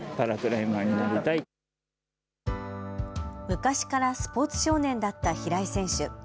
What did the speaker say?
昔からスポーツ少年だった平井選手。